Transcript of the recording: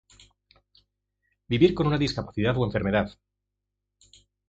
Vivir con una discapacidad o enfermedad